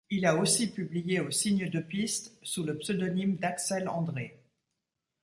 Il a aussi publié au Signe de piste sous le pseudonyme d'Axel André.